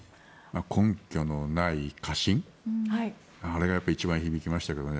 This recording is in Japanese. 根拠のない過信あれが一番響きましたけどね。